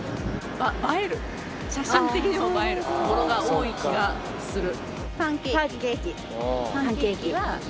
写真的にも映えるものが多い気がする。